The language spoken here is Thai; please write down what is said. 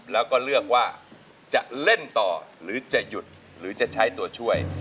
แล้วก็เลือกว่าจะเล่นต่อหรือจะหยุดหรือจะใช้ตัวช่วย